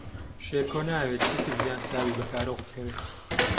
شێرکۆ نایەوێت چیتر ڤیان چاوی بە کارۆخ بکەوێت.